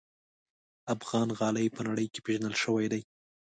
افغان غالۍ په نړۍ کې پېژندل شوي دي.